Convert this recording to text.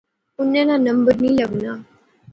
انیں ناں نمبر نی لغا